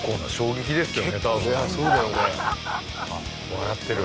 笑ってる。